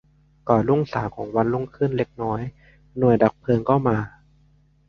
ก่อนรุ่งสางของวันรุ่งขึ้นเล็กน้อย หน่วยดับเพลิงก็มา